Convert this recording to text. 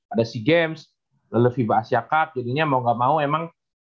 ada si james lele viva asyakat jadinya mau gak mau emang